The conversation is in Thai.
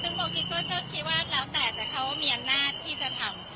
ซึ่งโบกิ๊กก็คิดว่าแล้วแต่แต่เขามีอำนาจที่จะทำ